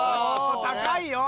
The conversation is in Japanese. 高いよ。